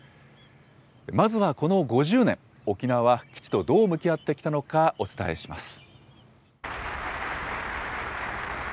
まずはこの５０年、沖縄は基地とどう向き合ってきたのか、お伝えします。